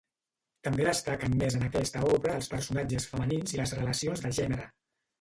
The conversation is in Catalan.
També destaquen més en aquesta obra els personatges femenins i les relacions de gènere.